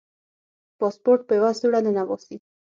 پاسپورټ په یوه سوړه ننباسي.